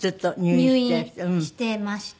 入院してました。